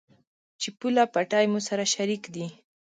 چې پوله، پټي مو سره شريک دي.